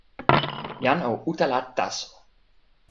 jan o utala taso.